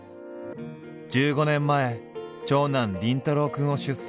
１５年前長男凛太郎くんを出産。